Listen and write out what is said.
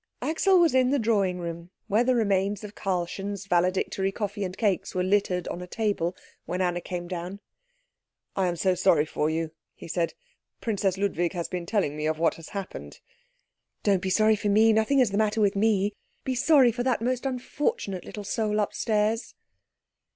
Axel was in the drawing room, where the remains of Karlchen's valedictory coffee and cakes were littered on a table, when Anna came down. "I am so sorry for you," he said. "Princess Ludwig has been telling me what has happened." "Don't be sorry for me. Nothing is the matter with me. Be sorry for that most unfortunate little soul upstairs."